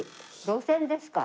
「路線」ですか。